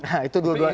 nah itu dua dua